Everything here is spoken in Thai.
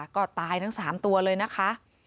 ก็ตายทั้ง๓ตัวเลยนะคะ